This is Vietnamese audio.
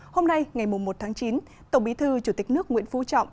hôm nay ngày một tháng chín tổng bí thư chủ tịch nước nguyễn phú trọng